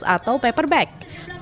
atau kertas kertas bunga